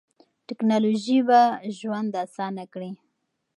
ټیکنالوژي به ژوند اسانه کړي.